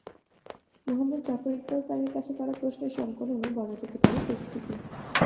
মুহম্মদ জাফর ইকবাল স্যারের কাছে করা প্রশ্নের সংকলনও বলা যেতে পারে পেজটিকে।